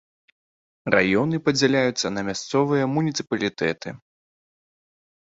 Раёны падзяляюцца на мясцовыя муніцыпалітэты.